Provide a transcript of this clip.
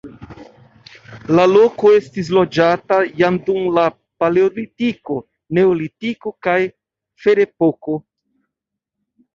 La loko estis loĝata jam dum la paleolitiko, neolitiko kaj ferepoko.